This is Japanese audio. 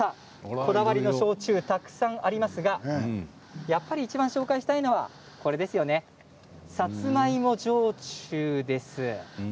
こだわりの焼酎がたくさんありますがいちばん紹介したいのはさつまいも焼酎です。